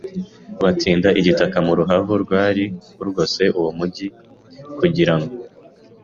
Batinda igitaka mu ruhavu rwari rugose uwo mugi kugira ngo